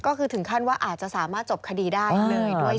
ก็คือถึงขั้นว่าอาจจะสามารถจบคดีได้ด้วยซับนะคะ